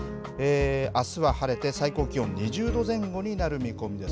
あすは晴れて、最高気温２０度前後になる見込みです。